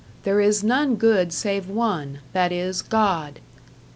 There is none good save one, that is, God."